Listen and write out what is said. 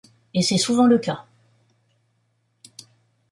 Et c'est souvent le cas.